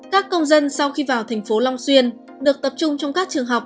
các công dân sau khi vào tp long xuyên được tập trung trong các trường học